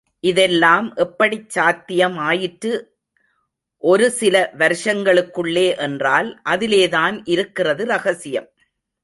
இதெல்லாம் எப்படிச் சாத்தியம் ஆயிற்று ஒரு சில வருஷங்களுக்குள்ளே என்றால் அதிலேதான் இருக்கிறது ரகசியம்.